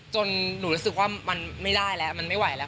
หนูรู้สึกว่ามันไม่ได้แล้วมันไม่ไหวแล้ว